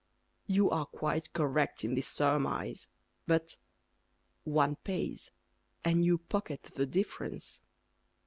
You are quite correct in this surmise. But One pays, And you pocket the difference.